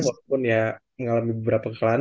walaupun ya mengalami beberapa kesalahan